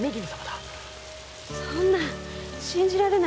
そんな信じられない。